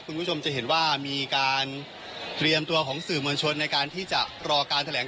คุณผู้ชมจะเห็นว่ามีการพิสุทธิ์รบท